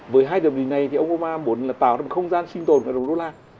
với hai hiệp định này thì ông obama muốn là tạo ra một không gian sinh tồn của đồng đô la